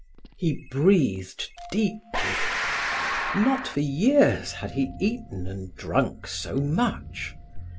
He breathed deeply. Not for years had he eaten and drunk so much.